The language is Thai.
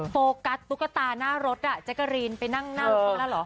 โฟกัสตุ๊กตาหน้ารถจักรีนไปนั่งที่นั่นหรอ